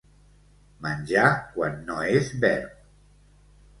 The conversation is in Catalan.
Menjar quan no és verb.